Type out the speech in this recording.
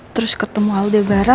terus ketemu aldebaran